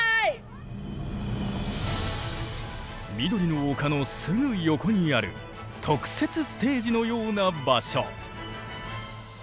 緑の丘のすぐ横にある特設ステージのような場所。